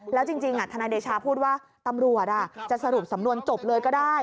แล้วจริงทนายเดชาพูดว่าตำรวจจะสรุปสำนวนจบเลยก็ได้